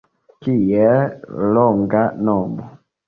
Kiel longa nomo